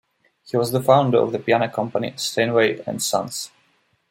He was the founder of the piano company Steinway and Sons.